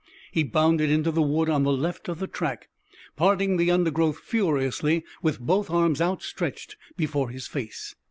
He bounded into the wood on the left of the track, parting the undergrowth furiously with both arms outstretched before his face.